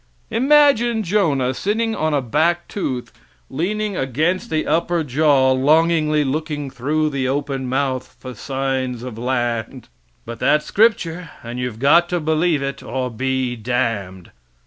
Imagine Jonah, sitting on a back tooth, leaning against the upper jaw, longingly looking through the open mouth for signs of land! But that's scripture and you've got to believe it or be damned.